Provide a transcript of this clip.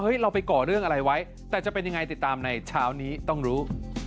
เราไปก่อเรื่องอะไรไว้แต่จะเป็นยังไงติดตามในเช้านี้ต้องรู้